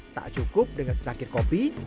tak cukup dengan setangkir kopi